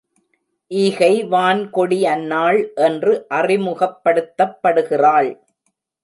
ஈகை வான் கொடி அன்னாள் என்று அறிமுகப்படுத்தப்படுகிறாள்.